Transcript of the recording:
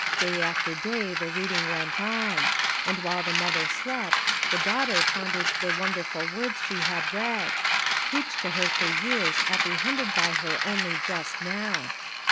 Day after day the reading went on; and while the mother slept, the daughter pondered the wonderful words she had read; preached to her for years, apprehended by her only just now.